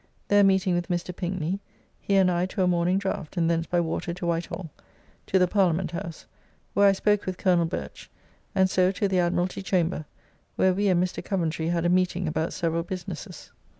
There meeting with Mr. Pinkney, he and I to a morning draft, and thence by water to White Hall, to the Parliament House, where I spoke with Colonel Birch, and so to the Admiralty chamber, where we and Mr. Coventry had a meeting about several businesses.